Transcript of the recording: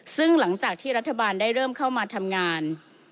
ซึ่งหลังจากที่รัฐบาลได้เริ่มเข้ามาทำงาน